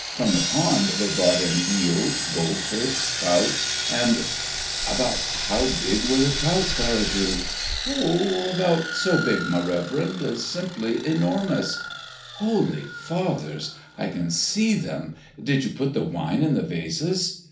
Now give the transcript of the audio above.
From the pond they brought in eels, gold fish, trouts, and " "About how big were the trouts, Garrigou?" "Oh, about so big, my reverend; simply enormous " "Holy Fathers! I can just see them. Did you put the wine in the vases?"